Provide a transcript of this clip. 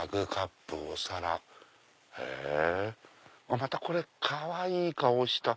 またこれかわいい顔した。